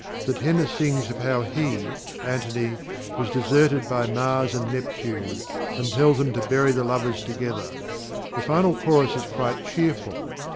The tenor sings of how he (Antony) was deserted by Mars and Neptune, and tells them to bury the lovers together. The final chorus is quite cheerful.